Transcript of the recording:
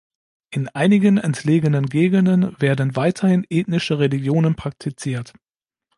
In einigen entlegenen Gegenden werden weiterhin ethnische Religionen praktiziert.